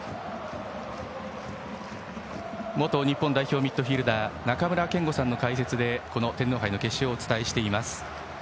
元日本代表ミッドフィールダー中村憲剛さんの解説で天皇杯の決勝をお伝えしています。